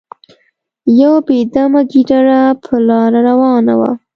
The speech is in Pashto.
یو بې دمه ګیدړه په لاره روانه وه.